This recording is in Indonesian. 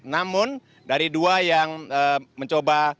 namun dari dua yang mencoba